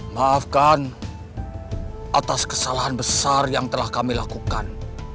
maafkan atas kesalahan besar yang telah kami lakukan